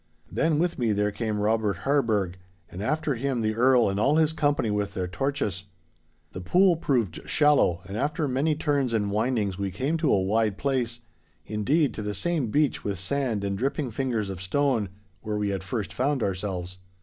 'Then with me there came Robert Harburgh, and after him the Earl and all his company with their torches. The pool proved shallow, and after many turns and windings we came to a wide place—indeed, to the same beach with sand and dripping fingers of stone where we had first found ourselves.